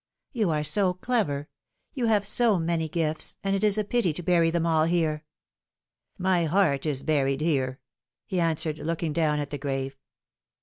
You are so clever. You have so many gifts, and it is a pity to bury them all here." " My heart is buried here," he answered, looking down at the grave.